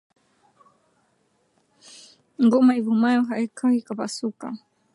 Ngoma ivumayo haikawii kupasuka